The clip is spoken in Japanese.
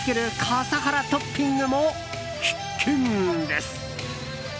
笠原トッピングも必見です。